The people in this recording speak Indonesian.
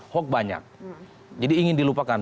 hoax banyak jadi ingin dilupakan